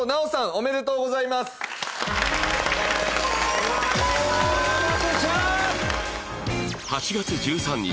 おめでとうございますおめでとうございます大和ちゃん８月１３日